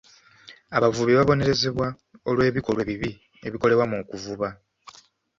Abavubi babonerezebwa olw'ebikolwa ebibi ebikolebwa mu kuvuba.